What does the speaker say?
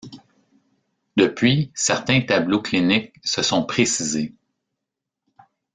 Depuis, certains tableaux cliniques se sont précisés.